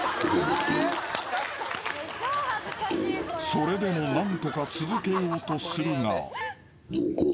［それでも何とか続けようとするが］